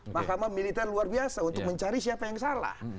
mahkamah militer luar biasa untuk mencari siapa yang salah